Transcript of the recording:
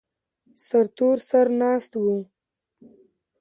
سرتور سر ناست و.